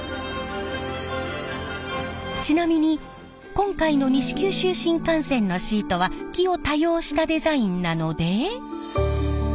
ちなみに今回の西九州新幹線のシートは木を多用したデザインなので。